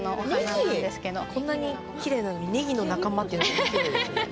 こんなにきれいなのにネギの仲間っていうのがおもしろいですね。